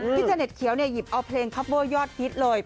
เจเน็ตเขียวเนี่ยหยิบเอาเพลงคับเวอร์ยอดฮิตเลย